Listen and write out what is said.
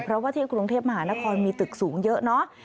เพราะว่าที่กรุงเทพมหานครมีตึกสูงเยอะเนาะ